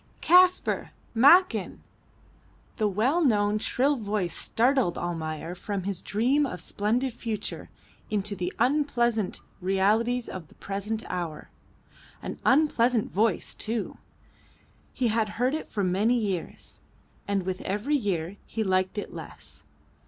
"Kaspar! Makan!" The well known shrill voice startled Almayer from his dream of splendid future into the unpleasant realities of the present hour. An unpleasant voice too. He had heard it for many years, and with every year he liked it less.